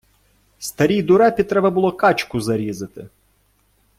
Старій дурепі треба було качку зарізати.